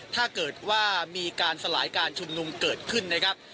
ถ้าเกิดว่ามีการสลายการชุมนุมเกิดขึ้นนะครับ